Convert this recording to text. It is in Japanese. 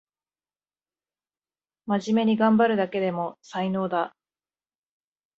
まじめにがんばるだけでも才能だ